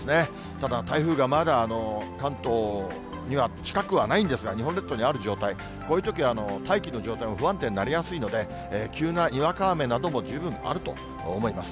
ただ台風がまだ、関東には近くはないんですが、日本列島にある状態、こういうとき、大気の状態も不安定になりやすいので、急なにわか雨なども十分あると思います。